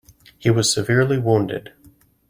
He was severely wounded.